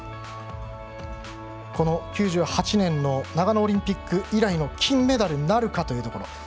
９８年の長野オリンピック以来の金メダルなるかというところ。